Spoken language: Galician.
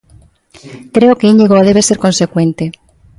Creo que Íñigo debe ser consecuente.